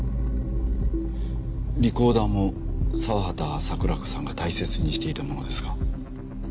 リコーダーも澤畠桜子さんが大切にしていたものですか？